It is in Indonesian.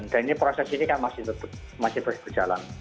dan proses ini kan masih berjalan